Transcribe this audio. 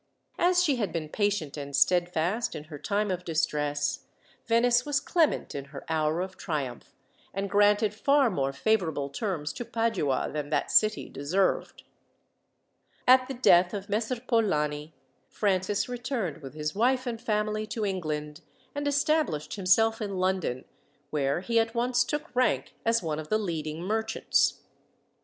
As she had been patient and steadfast in her time of distress, Venice was clement in her hour of triumph, and granted far more favourable terms to Padua than that city deserved. At the death of Messer Polani, Francis returned with his wife and family to England, and established himself in London, where he at once took rank as one of the leading merchants.